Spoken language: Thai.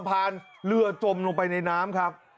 นั่นแหละรู้กันเรือจมทางสะพานเรือจมลงไปในน้ำครับ